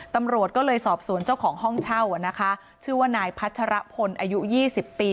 ตำรวจก็เลยสอบสวนเจ้าของห้องเช่านะคะชื่อว่านายพัชรพลอายุยี่สิบปี